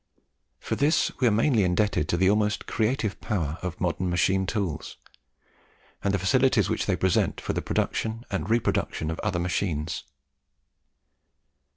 For this we are mainly indebted to the almost creative power of modern machine tools, and the facilities which they present for the production and reproduction of other machines.